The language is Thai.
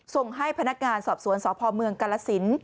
ส่งให้พนักงานสอบสวนสพเมืองกาลสิน